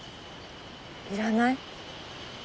いらない？